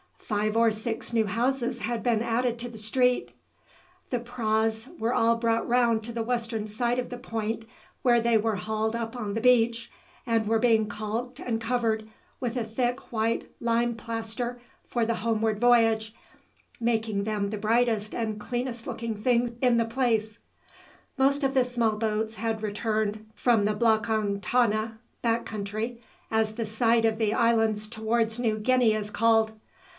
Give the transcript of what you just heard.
Five or six new houses had been added to the street; the praus were all brought round to the western side of the point, where they were hauled up on the beach, and were being caulked and covered with a thick white lime plaster for the homeward voyage, making them the brightest and cleanest looking things in the place. Most of the small boats had returned from the "blakang tana" (back country), as the side of the islands towards New Guinea is called.